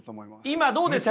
今どうですか？